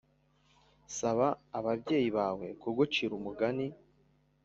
saba ababyeyi bawe kugucira umugani